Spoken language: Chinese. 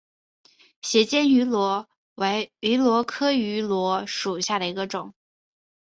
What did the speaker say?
斜肩芋螺为芋螺科芋螺属下的一个种。